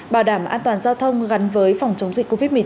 bảo đảm an toàn giao thông gắn với phòng chống dịch covid một mươi chín